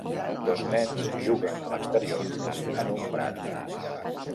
Dos nens juguen a l'exterior en un prat.